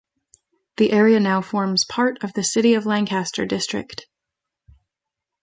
The area now forms part of the City of Lancaster district.